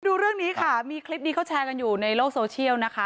ดูเรื่องนี้ค่ะมีคลิปนี้เขาแชร์กันอยู่ในโลกโซเชียลนะคะ